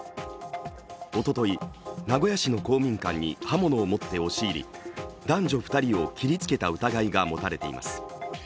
おととい、名古屋市の公民館に刃物を持って押し入り、男女２人を切りつけた疑いが持たれています。